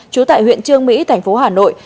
chú tại huyện trương mỹ tp hà nội